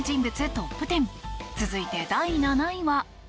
トップ１０続いて第７位は。